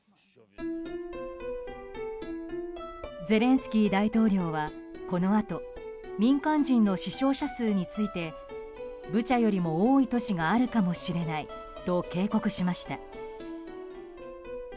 ゼレンスキー大統領はこのあと民間人の死傷者数についてブチャよりも多い都市があるかもしれないと警告しました。